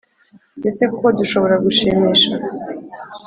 Ese koko dushobora gushimisha